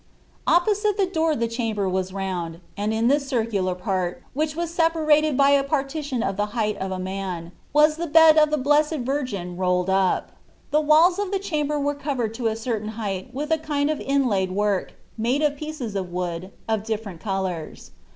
Opposite the door the cham ber was round, and in this circular part, which was separated by a partition of the height of a man, was the bed of the Blessed Virgin, rolled up. The walls of the chamber were covered to a certain height with a kind of inlaid work, made of pieces of wood, of different colours.